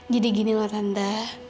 jadi gini loh tante